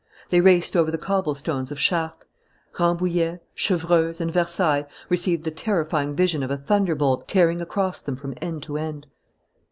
They raced over the cobble stones of Chartres. Rambouillet, Chevreuse, and Versailles received the terrifying vision of a thunderbolt tearing across them from end to end.